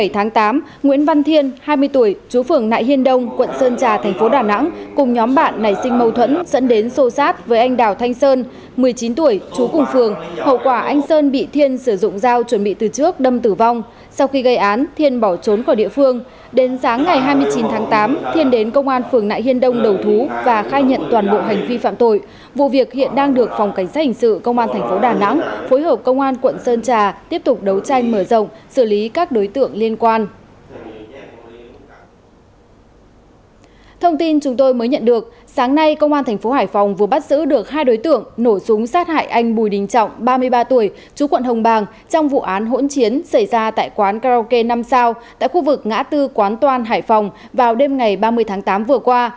thông tin chúng tôi mới nhận được sáng nay công an thành phố hải phòng vừa bắt giữ được hai đối tượng nổ súng sát hại anh bùi đình trọng ba mươi ba tuổi chú quận hồng bàng trong vụ án hỗn chiến xảy ra tại quán karaoke năm sao tại khu vực ngã tư quán toan hải phòng vào đêm ngày ba mươi tháng tám vừa qua